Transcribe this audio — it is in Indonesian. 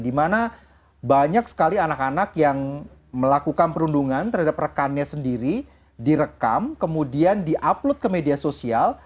dimana banyak sekali anak anak yang melakukan perundungan terhadap rekannya sendiri direkam kemudian di upload ke media sosial